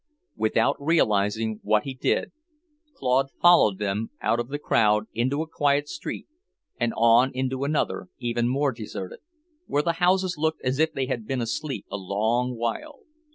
Without realizing what he did, Claude followed them out of the crowd into a quiet street, and on into another, even more deserted, where the houses looked as if they had been asleep a long while.